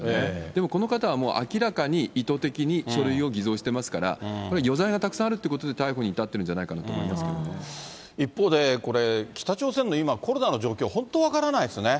でも、この方はもう明らかに意図的に書類を偽造してますから、これ、余罪がたくさんあるっていうことで、逮捕に至ってるんじゃな一方で、これ、北朝鮮の今、コロナの状況、本当、分からないですよね。